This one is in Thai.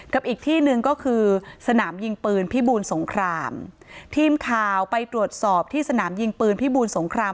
อีกที่หนึ่งก็คือสนามยิงปืนพิบูลสงครามทีมข่าวไปตรวจสอบที่สนามยิงปืนพิบูลสงคราม